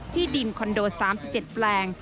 ที่ดินคอนโด๓๗แปลง